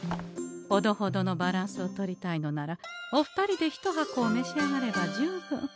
ほどほどのバランスをとりたいのならお二人で一箱めし上がれば十分。